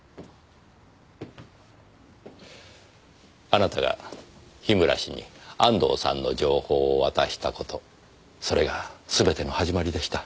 あなたが樋村氏に安藤さんの情報を渡した事それがすべての始まりでした。